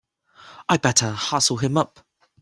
I'd better hustle him up!